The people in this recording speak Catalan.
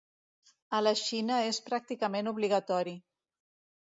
A la Xina és pràcticament obligatori.